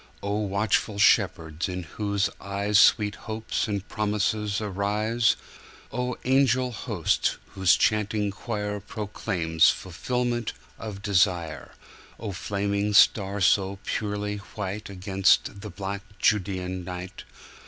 O watchful shepherds in whose eyesSweet hopes and promises arise!O angel host whose chanting choirProclaims fulfillment of desire!O flaming star so purely whiteAgainst the black Judean night!